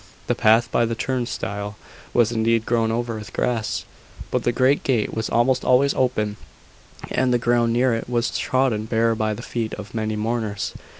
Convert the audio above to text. The path by the turnstile was indeed grown over with grass: but the great gate was almost always open, and the ground near it was trodden bare by the feet of many mourners.